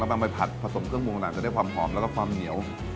บางใบผัดผสมเครื่องปรุงต่างจะได้ความหอมแล้วก็ความเหนียว